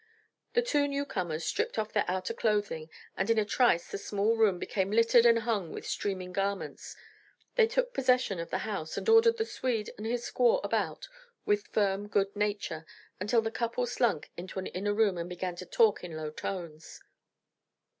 The two new comers stripped off their outer clothing, and in a trice the small room became littered and hung with steaming garments. They took possession of the house, and ordered the Swede and his squaw about with firm good nature, until the couple slunk into an inner room and began to talk in low tones.